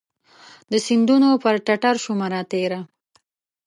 د سیندونو پر ټټرشومه راتیره